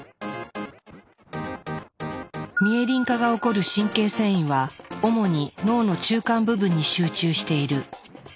ミエリン化が起こる神経線維は主に脳の中間部分に集中している。